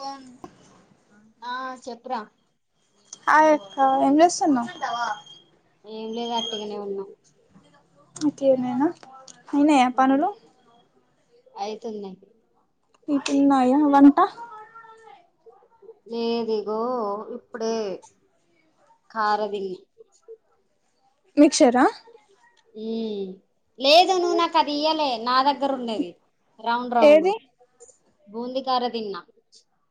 Cone ఆ చెప్పురా hi అక్క ఏం చేస్తున్నావ్ ఏం లేదు అట్టిగనే ఉన్నా అట్టిగనేనా అయినాయా పనులు అయితున్నాయ్ ఇంకున్నాయా వంట లేదు ఇగో ఇప్పుడే కార తిన్న మిక్షర మ్ లేదు నువ్వు నాకు అది ఇయ్యాలే నా దగ్గర ఉండేది రౌండ్ రౌండ్ ఏది బూందీకార తిన్న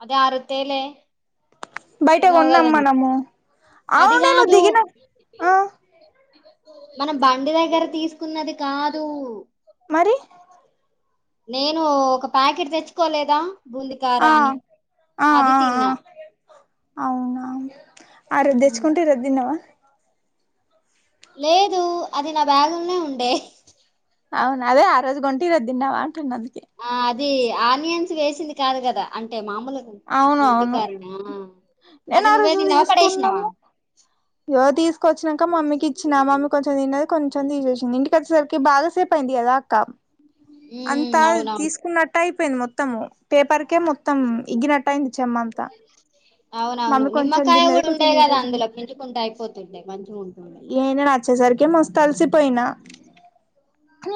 అదే ఆ రోజు తేలే బయట తిన్నావు కొన్నాం కదా నువ్వు మనము అది అవునే నువ్వు కాదు దిగిన ఆ మనం బండి దగ్గర తీసుకున్నది కాదు మరి నేను ఒక ప్యాకెట్ తెచ్చుకోలేదా బూంది ఆ ఆ ఆ ఆ అవునా ఆ రోజ్ తెచ్చుకుంటే ఈరోజు తిన్నవా లేదు అది నా బ్యాగ్ ల్నే ఉండే అవున అదే ఆ రోజు కొంటివి తిన్నావా అంటున్నా అందుకే ఆ అది ఆనియన్స్ వేసింది కాదు కదా అంటే మామూలుగా అవును బూంది అవును కారన నేను అది ఆ నువ్వే రోజు తిన్నావా పడేసినవా తీసుకున్నాము ఇగో తీసుకొచ్చినాక మమ్మీకి ఇచ్చినా మమ్మీ కొంచెం తన్నది కొంచెం తీసేసింది ఇంటికోచ్చేసరికి బాగాసేపు అయింది కదా త అంత హ్మ్ అవునవును తీసుకున్నట్టు అయిపోయింది మొత్తము పేపర్కే మొ త్తం ఎగ్గినట్టటు అఇంది చెమ్మ అంతా అవునవును మమ్మీ కొంచెం తిన్నది కొంచెం ఊసేసింది కుంటే అయిపోతుండే మంచిగుంటుండే వచ్చేసరికే మస్తు అలిసిపోయినా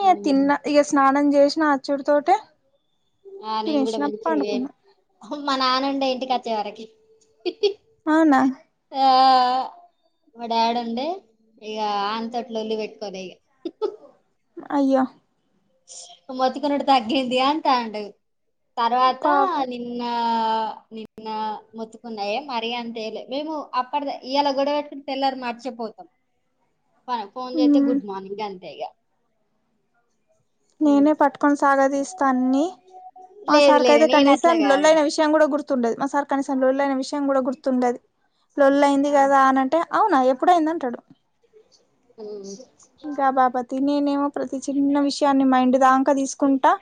హ్మ్ తిన్న ఇగ స్నా నం చేసిన ఆచ్చుడు తోటే ఆ నేను కూడా తినేసిన మంచిగా వే పండుకున్నా మా నానుండే ఇంటికోచ్చే వరకి అవునా ఆ ఆ మా డాడ ఉండే ఇగ ఆని తోటి లొల్లి పెట్టుకోలే ఇగ అయ్యో మొత్తుకునుడు తగ్గింది అంటాండు తర్వాత పాపం ని ఇంగ నిన్న మొత్తుకున్న ఏ మరి అంతేయలే మేము అప్పడ్ ఇయ్యళ గొడవ పెట్ తెల్లర్ మర్చేపోతాం మనం ఫోన్ చేత్తె గుడ్ మార్నింగ్ గంతే ఇగ ఉమ్. నేనే పట్టుకొని సాగ తీస్తా అన్ని మా లేదు సార్కి లేదు అయితే నేను అట్లా కనీసం లొల్లి కాదు అయిన విష్ షయం కూడా గుర్తుండది మా సారి కనీసం లోళ్ళి అయిన విషయం కూడా గుర్తుండది లోళ్ళి అయింది ఆ, కదా అనంటే అవునా ఎప్పుడయింది అంటాడు హ్మ్ ఇంకా బాబతి నేనేమో ప్రతి చిన్న విషయాన్ని మైండ్ దాంకా తీసుకుంటా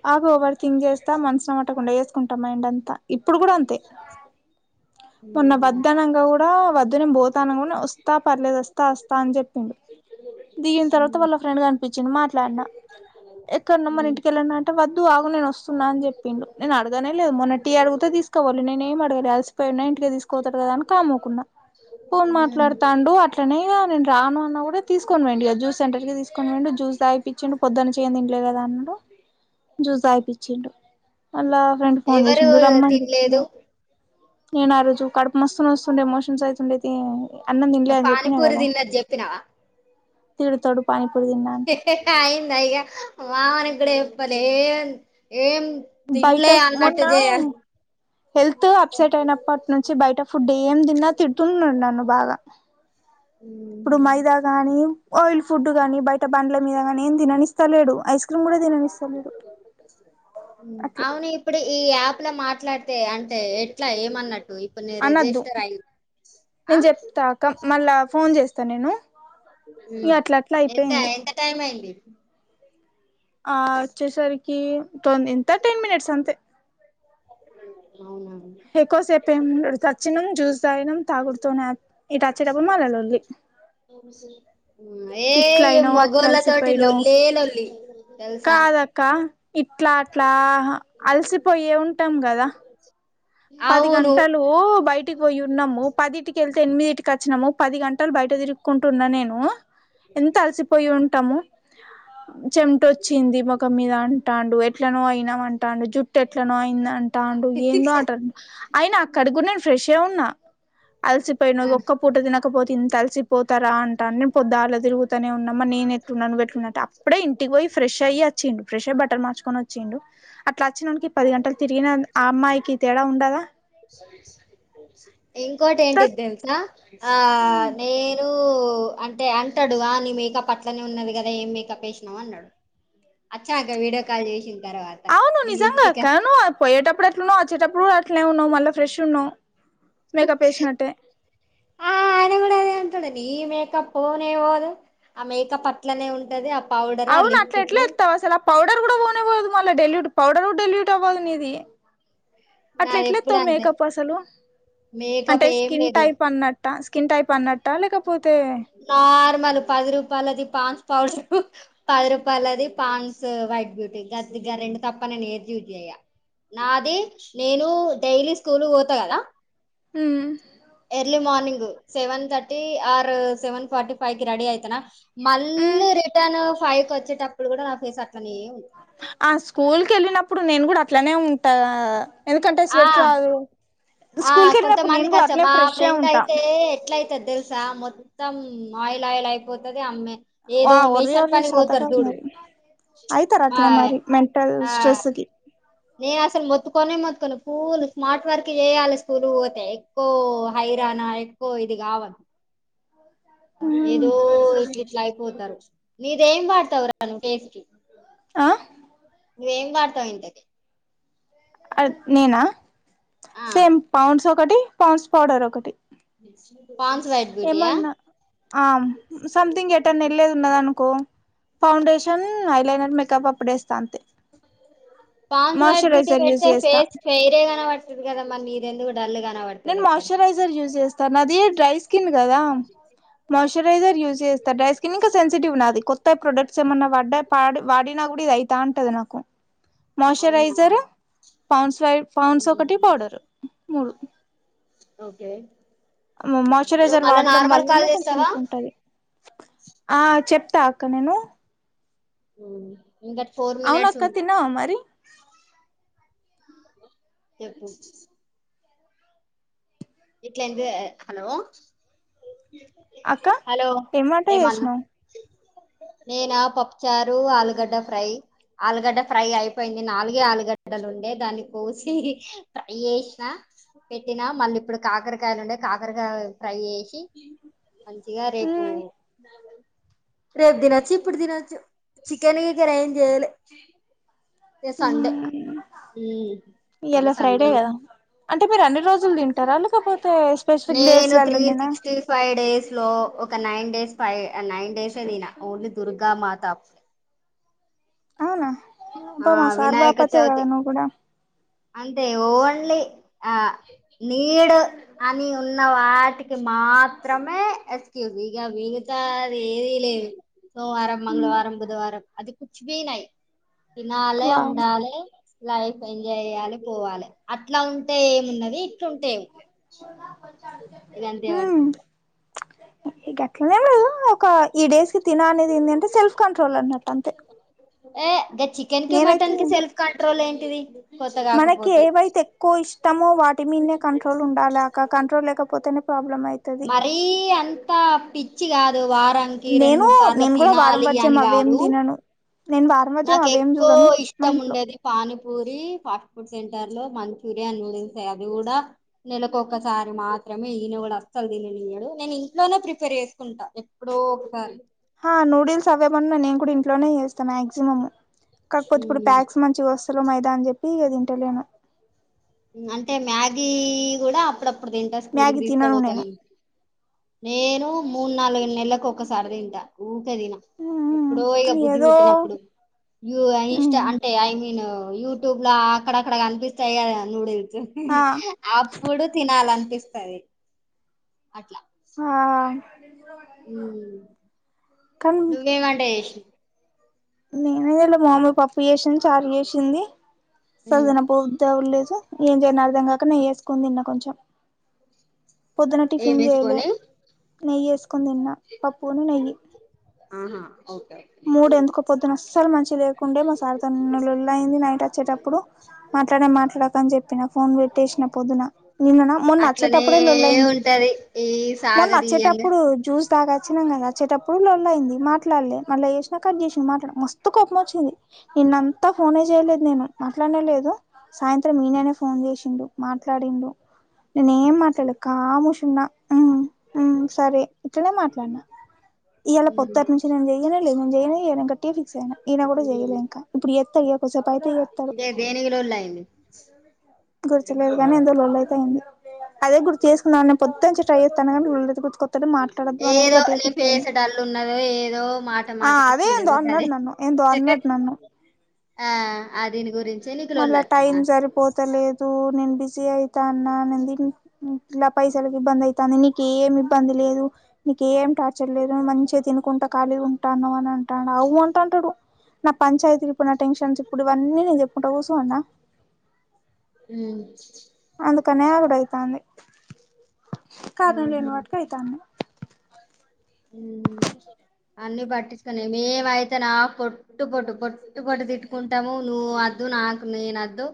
బాగా ఓవర్ థింక్ చేస్తా మనసులోమాట్టకుండా చేేసుకుంటాం మైండ్ అంతా ఇప్పుడు కూడా అంతే మొన్న ఉమ్, ఉమ్. వద్దనంక కూడా వద్దు నే పోతా [unintelligible] వస్తా పర్లేదు వస్తా వస్తా అని చెప్పిండు దిగిన తర్వాత వాళ్ళ ఫ్రెండ్ కనిపిచ్చింది మాట్లాడినా ఎక్కన్నా మన ఉమ్. ఇంటికెళ్ళన అంటే వద్దు ఆగు నేను వస్తున్నా అని చెప్పిండు నేను అడగనే లేదు మొన్న టి అడుగుతే తీసుకోపోలే నేనె నేమ్ అడగలే అలిసిపోయిన్నా ఇంటికే తీసుకపోతడు కదా అని కామ్ ఊకున్నా పోన్ ఉమ్. మాట్లాడుతాండు అట్ ట్టనే ఇగా నేను రాను అన్న కూడా తీసుకొనిపోయిండు ఇగా జ్యూస్ సెంటర్ కి తీసుకొనిపోయిండు జ్యూస్ తాగి పిచ్చిండు పొద్దున్నుంచి ఏం తింట్లే కదా అన్నడు జ్యూస్ తాగిపిచ్చిండు మళ్ళ ఫ్రెండ్ ఫోన్ ఎవరు చేసిండు రమ్మని చెప్పినా తినలేదు నేను ఆ రోజు కడుపు మస్తు నొస్తుండే మోషన్స్ అయితుండే తి అన్నం తినలే అని చెప్పినా కదా తిన్నావా తిడుతడు పానీపూరి తిన్నా అంటే కాయింద ఇక మావోనికి కూడా చెప్పలే ఏ ఏం తిన్లే బయట మొన్న అన్నట్టు చేయాలి హెల్త్ అప్సెట్ అయినప్పట్ ట్నుంచి బయట ఫుడ్ ఏం తిన్నా తిడుతున్నాడు నన్ను బాగా ఇప్పుడు మైదా గాని ఆయిల్ ఫుడ్ కానీ బయట బండ్ల మీద కాని ఏం తిననిస్తలేడు ఐస్ క్రీమ్ కూడా తిననిస్తలేడు అట్లా అవును ఇప్పుడు ఈ యాప్ లో మాట్లాడితే అంటే ఎట్లా ఏమన్నట్టు ఇప్పుడు నేను అనద్దు రిజిస్టర్ అయి ఆ నేను చెప్తా అక్క మళ్ళా ఫోన్ చేస్తా నేను ఇ అట్ల అట్లా అయిపోయింది టైమయింది ఆ వచ్చేసరికి తో ఎంత టెన్ మినిట్స్ అంతే అవునా [unintelligible] ఎక్కువసేపు ఏం ఈడకొచ్చినం జ్యూస్ తాగినం తాగుడుతోనే ఇటు అచ్చేటప్పుడు మల్ల లొల్లి ఉమ్ ఏ ఇట్ల ఇ అయినావు అట్లా మొగోళ్లతోటి అలిసిపోయినావు లొల్లే లొల్లి తెలుసా కాదక్క ఇట్లా అట్లా అలసిపోయే ఉంటాం కదా పది అవును గంటలు బయటికి పోయి ఉన్నాము పదిటికి కెల్తే ఎనిమిదిటికి కచ్చినము పది గంటలు బయట తిరుగుకుంటా ఉన్న నేను ఎంత అలిసి పోయి ఉంటాము చెమిటొచ్చింది మొఖం మీద అంటాండు ఎట్లనో అయినావ్ అంటాండు జుట్టు ఎట్లనో అయింది అం టాండు ఏందో అంటడు అయినా అక్కడ కూడా నేను ఫ్రెషే ఉన్నా అలిసిపోయిన ఆ ఒక్క పూట తినకపోతే ఇంత అలిసిపోతారా అంటా నే పొద్దాలా తిరుగు తనే ఉన్నా మరి నేను ఎట్లున్నా నువ్వు ఎట్లున్న అంటే అప్పుడే ఇంటికి పోయి ఫ్రెష్ అయ్యి అచ్చిండు ఫ్రెష్ అయి బట్టలు మార్చుకొని ఒచ్చిండు అట్లా అచ్చినోనికి పది గంటలు తిరిగిన ఆ అమ్మాయికి తేడా ఉండా ఇంకోటి ఏంటిదెలుసా ఆ నేను ప్పు అంటే అంటడు ఆ నీ మేకప్ అట్లనే ఉన్నది కదా ఏం మేకప్ ఏశినావు అన్నడు అచ్చాక వీడియో కాల్ చేసిన తర్వాత్ అవును నిజంగ అక్క నువ్వు అ పోయేటప్పుడు ఎట్లున్నావ్ ఒచ్చేటప్పుడు కూడా అట్లనే ఉన్నావు మళ్ళ ఫ్రెష్ ఉన్నావు మేకప్ ఏషినట్టే ఆ [unintelligible] అదే అంటాడు నీ మేకప్ పోనే పోదు ఆ మేకప్ అట్లనే ఉంటది అ అవును అట్లా ఎట్లా ఎత్తవ్ అసల పౌడర్ కూడా పోనే పోదు మళ్ళ డెల్యూట్ పౌడర్ కూడా డెల్యూట్ అవ్వదు నీది అట్ల నాది ఎట్ల ఎప్పుడు ఏత్తవు అంతే మేకప్ అసలు మేకప్ అంటే ఏం స్కిన్ లేదు టైప్ అన్నట్ ట్ట స్కిన్ టైప్ అన్నట్టా లేకపోతే నార్మల్ పది రూపాయలది పాండ్స్ పౌడరు పది రూపాయలది పాన్స్ వైట్ బ్యూటీ [unintelligible] గా రెండు తప్ప నే ఏదియూజ్ చెయ్య నాది నేను డైలీ స్కూల్ పోత కదా హు early morning seven thirty or seven forty ఫైవ్కి రెడి అయితన ఉమ్ మళ్ళీ రిటర్న్ ఫైవ్ కి వచ్చేటప్పుడు కూడ నా ఫేస్ అట్లనే ఉంది ఆ స్కూల్కి వెళ్ళినప్పుడు నేను కూడ అట్లనే ఉంటా ఎందుకంటే ఆ స్వెట్ రాదు ఆ స్కూల్ కి వెళ్ళినప్పుడు నేను కొంతమందికి కూడా [unintelligible] అట్లే మా ఫ్రెష్ ఏ ఫ్రెండ్ ఉంటా అయితే ఎట్ల తెలుసా మొత్తం ఆయిల్ ఆయిల్ అయిపోతది అమ్మే వా ఏదో ఒర్రి మేషన్ ఒర్రి పనికి పోతారు శాతకాదు చూడు మరి అయితారు మా అట్లా మెంటల్ ఆ స్ట్రెస్ కి నేను [unintelligible] మొత్తుకొను ఫుల్ స్మార్ట్ వర్క్ కి చేయాలి స్కూలు పోతే ఎక్కువ హైరానా ఎక్కువ ఇది కావాలి ఉమ్ ఏదో ఇట్ల ఇట్ల అయిపోతరు ఇది ఏం వాడతవు రా ఫేస్ కి అ ఏం వాడతావ్ [unintelligible] అ నేన ఆ సేమ్ పాండ్స్ ఒకటి పాండ్స్ పౌడర్ ఒకటి పాండ్స్ [unintelligible] ఏమన్నా ఆ సంథింగ్ ఎటన్న వెళ్లేది ఉన్నది అనుకో ఫౌండేషన్ ఐ లైనర్ మేకప్ అప్పుడు ఏస్తా అంతే Pond's white beauty moisturiser use పెడితే చేస్త [unintelligible] నేను మాయిశ్చరైజర్ యూజ్ చేస్త నాది డ్రై స్కిన్ కదా మాయిశ్చరైసర్ యూస్ చేస్త డ్రై స్కిన్ ఇక సెన్సిటివ్ నాది కొత్త ప్రొడక్ట్స్ ఏమన్నా పడ్డ పాడి వాడినా కూడ ఇది అయితాంటది నాకు అవునా మాయిశ్చరైజర్ పాండ్స్ వై పౌన్స్ ఒకటి పౌడరు మూడు ఒకే మాయిశ్చరైజర్ వాడటడం వల్లనే కాల్ కొంచెం చేస్తావా [unintelligible] ఉంటది ఆ చెప్త అక్క నేను ఇంకట్ ఫోర్ మినిట్స్ ఉంది [unintelligible] మరి చెప్పు హలో అక్క హలో ఎం వంట ఏమన్నా వేసినావు నేనా పప్పుచారు ఆలుగడ్డ ఫ్రై ఆలుగడ్డ ఫ్రై అయిపోయింది నాలుగే ఆలుగడ్డలు ఉండే దాన్ని కోసి ట్రై చేసిన పెట్టినా మళ్ళీ ఇప్పుడు కాకరకాయలు ఉండే కాకరకాయ ఫ్రై చేసి మంచిగా రేపు మ్మ్ రేపు తినొచ్చు ఇప్పుడు తినొచ్చు చికెన్ క కర ఏం చేయ్యాలి [unintelligible] సండే మ్మ్ మళ ఇయ్యాల సండే ఫ్రైడే ఉం కదా అంటే మీరు అన్ని రోజులు తింటార లేకపోతే స్పెసిఫిక్ నేను డేస్ల త్రీ వెళ్ళం నేనా సిక్స్టీ ఫైవ్ డేస్ లో ఒక nine days five nine days తిన ఓన్లీ దుర్గ మాత అవున ఆ [unintelligible] అంతే ఓన్లీ ఆ నీడు అని ఉన్న వాటికి మాత్రమే ఎస్క్యూజ్ ఇగ మీగతా అది ఏదీ లేదు సోమవారం మంగళవారం బుధవారం అది కుచ్ బీ నయి తినాలే వావ్ ఉండాలే లైఫ్ ఎంజాయ్ చేయ్యాలే పోవాలే అట్లా ఉంటే ఏమున్నది ఇట్లుంటే ఇగ అంతే పడుతది ఇగ అట్లనేం లేదు ఒక ఈ డేస్ కి తిన అనేది ఏందంటే సెల్ఫ్ కంట్రోల్ అన్నట్టు అంతే యే గ చికెన్ కి నేనైతే మటన్ కి సెల్ఫ్ కంట్రోల్ ఏంటిది కొత్త మనకి కాకపోతే ఏవైతే ఎక్కువ ఇష్టమో వాటి మీన్నే కంట్రోల్ ఉండాలి అక్క కంట్రోల్ లేకపోతేనే ప్రాబ్లమ్ అయి మరీ అంత పిచ్చి గాదు వారం నేను నేను కూడా వారం వర్జం అవేం కాదు తినను నేను వారం వర్జం నాకు అవేం ఎక్కువ చూడను మా ఇష్టం ఇంట్లో ఉండేది పానీపూరి ఫాస్ట్ ఫుడ్ సెంటర్ లో మంచూరియాన్ నూడిల్సే అవి కూడా నెలకొక్కసారి మాత్రమే ఈయన కూడా అసలు దీననీయడు నేను ఇంట్లోనే ప్రిపేర్ చేసుకుంటా ఎప్పుడో ఒక హా నూడిల్స్ అవేమన్నా నేను కూడా ఇంట్లోనే చేస్త మాగ్జిమం కాకపోతే ఇప్పుడు ఉమ్. ప్యాక్స్ మం చిగ వస్తలేవ్ మైదా అని చెప్పి ఇగ తింటలేను అంటే మ్యాగీ గూడా అప్పుడప్పుడు దింటా స్కూల్కి మ్యాగీ తినను నేను తీసుకోపోతానండి నేను మూడు నాలుగు నెలలకు ఒకసారి దింట ఊకేదిన ఎప్పుడో ఇగ బుద్ధి ఏదో పుట్టినప్పుడు ఇన్ స్టా అంటే ఐ మీన్ యూట్యూబ్ లో అక్కడక్కడ కనిపిస్తాయి కదా నూడిల్స్ ఆ అప్పుడు తినాలి అనిపిస్తది అట్లా ఆ ఉమ్ కానీ నువ్వు ఏం వంట జేసినవ్ నేనే లే మమ్మీ పప్పు చేసింది చార్ జేసింది మ్మ్ పొద్దున పో తర్వాత లేసి ఏం చేయ అర్థం కాక నెయ్యి యేసుకొని దిన్న కొంచెం పొద్దున టిఫిన్ జేయలే ఏమేసుకొని నెయ్యి యేసుకొని దిన్నా పప్పును నెయ్యి ఉమ్ హు ఓకే మూడు ఎందుకో పొద్దున అసలు మంచి లేకుండే మా సార్ తోని లొల్లి అయింది నైట్ వచ్చేటప్పుడు మాట్లాడ మాట్లాడకు అని చెప్పిన ఫోన్ పెట్టేసిన పొద్దున నిన్ననా మొన్న అట్లనే అచ్చేటప్పుడే లొల్లయింది ఉంటది ఈ మొన్న సాగదీయంగా వచ్చేటప్పుడు జ్యూస్ తాగా వచ్చినమ్ కదా వచ్చేటప్పుడు లొల్లి అయింది మాట్లాడలే మళ్ళ చేసినా కట్ జేసిండు మాట్లాడలే మస్తు కోపం వచ్చింది నిన్నంతా ఫోనే జేయలేదు నేను మాట్లాడనేలేదు సాయంత్రం ఈననే ఫోన్ చేసిండు మాట్లాడిండు నేను ఏం మాట్లాడలే కామూష్ ఉన్నా ఉమ్ ఉమ్ సరే ఇట్లనే మాట్లాడిన ఇయాళ మ్మ్ పొత్తటి నుంచి నేను చెయ్యలే జెయ్యనే జెయ్యనూ గట్టిగ ఫిక్స్ అయినా ఈయన కూడా జేయలే మ్మ్ ఇంక ఇప్పుడు జేత్తడిగ కోసేపు అయితే ఇదే దేనికి లొల్లి అయింది గుర్తులేదు గానీ ఏదో లొల్లి అయితే అయింది అదే గుర్తు చేసుకున్నాను పొద్దనుంచి ట్రై చేస్తానా కాని గుర్తుకొత్తలే మాట్లా ఏదో నీ ఫేస్ డల్ ఉన్నది ఏదో మా ఆ అదే ఏందో అన్నడు నన్ను ఏందో అన్నడు నన్ను ఆ ఆ దీని గురించి మళ్ళా టైం సరిపోతలేదు నేను బిజీ అయితా అన్నా నంది ఇంట్ల పైసలకి ఇబ్బంది అయితాంది, నీకేం ఇబ్బంది లేదు. నీకేం టార్చర్ లేదు, మంచిగ తినుకుంటా ఖాలీగ ఉంటాన్నవ్ అని అం టాండు అయ్యా అంటంటాడు, నా పంచాయతీ ఇప్పుడు నా టెన్షన్స్ ఇప్పుడు ఇవన్నీ నేను చెప్పుకుంటా కూసో వాన్న ఉమ్ అందుకనే అగడ అయితాంది, కారణం లేని మ్మ్ వాటికి అయితాంది. అన్నీ పట్టించుకొని మేమయితే నా పొట్ పొట్టు పొట్టు, పొట్టు పొట్టు తీట్టుకుంటము నువద్దు నాకు నేనద్దు.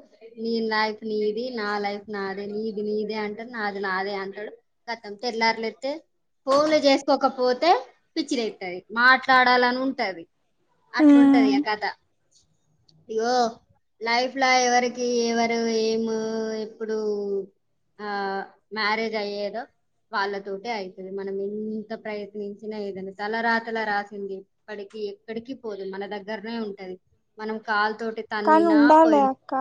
నీ లైఫ్ నీది, నా లైఫ్ నాదే. నీది నీదే అంటడు, నాది నాదే అంటడు. కతమ్ తెల్లారి లేత్తే పోన్లే జెస్ కోకపోతే పిచిలేత్తది, మాట్లాడాలని ఉంటది. అట్లుంటది ఉమ్ ఇగ కథ, ఇగో లైఫ్ ల ఎవరికి ఎవరు ఏం ఎప్పుడు ఆ మ్యారేజ్ అయ్యేదో, వాళ్ళతోటె అయితది, మనం ఎన్ని ఎంత ప్రయత్నించినా ఏదన తల రాతల రాసింది అక్కడికి ఎక్కడికి పోదు, మన దగ్గరనే ఉంటది. మనం కాలు తోటి కనీ తన్నినా ఉండాలే పోయిన అక్క.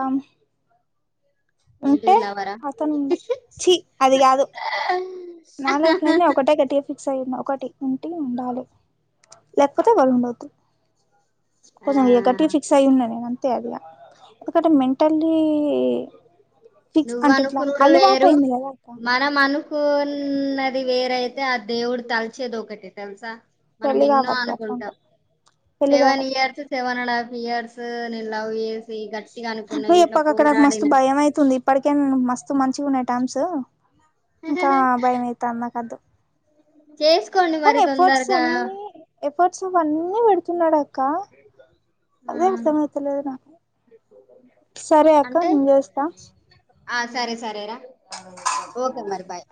ఏంటిది లవరా? చీ అది కాదు, నా లైఫ్ లనే ఒకటే గట్టిగా ఫిక్స్ అయిన, ఒకటి ఉంటె ఉండాలె, లేకపోతే ఎవరు ఉండద్దు. ఆ కొంచం ఇగ గట్టిగా ఫిక్స్ అయ్యి ఉన్న నేను అంతే అదిగా, ఎందుకంటే మెంటల్లీ ఫిక్స్ నువ్వు అంటే ఇట్లా అనుకునుడు అలవాటు వేరు అయింది కదా అక్క మ నం అనుకున్నది వేరైతే ఆ దేవుడు తలిచేది ఒకటి తెలుసా. మనం పెళ్లి ఎన్నో కావద్దు అట్లా ఉంటే అనుకుంటం, పెళ్లి సెవెన్ కావద్దు year seven and half years నేను లవ్ చేసి గట్టిగా అనుకున్నా, ఇంట్లో పోరాడిన ప్పటికే మస్తు మంచిగ ఉన్నయి టమ్స్, ఇంకా భయమయితాంది నాకద్దు. చేసుకోండి మరి కానీ ఎఫర్ట్స్ తొందరగా. అన్నీ, ఎఫర్ట్స్ అవన్నీ పెడుతున్నడక్క ఆ! అదే అర్థమతలేదు నాకు, సరే అక్క అంటే నేను చేస్తా ఆ సరే సరేరా. ఓకే మరి బాయ్.